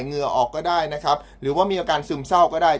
เหงื่อออกก็ได้นะครับหรือว่ามีอาการซึมเศร้าก็ได้